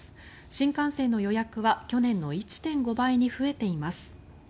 新幹線の予約は去年の１．５倍に増えています。